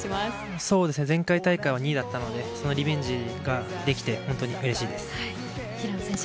前回大会が２位だったのでそのリベンジができて本当にうれしいです。